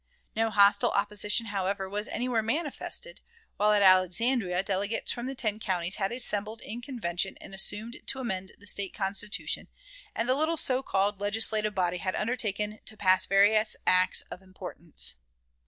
No hostile opposition, however, was anywhere manifested, while at Alexandria delegates from the ten counties had assembled in convention and assumed to amend the State Constitution, and the little so called legislative body had undertaken to pass various acts of importance.